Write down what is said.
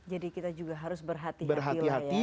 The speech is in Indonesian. jadi kita juga harus berhati hati